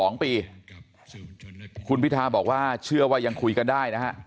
คุณพิทาบอกว่าเชื่อว่ายังคุยกันได้นะฮะ